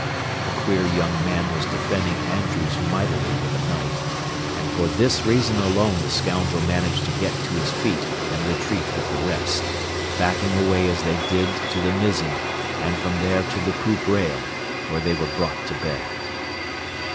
The queer young man was defending Andrews mightily with a knife, and for this reason alone the scoundrel managed to get to his feet and retreat with the rest, backing away as they did to the mizzen and from there to the poop rail, where they were brought to bay.